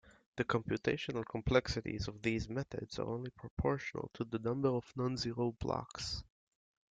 The computational complexities of these methods are only proportional to the number of non-zero blocks.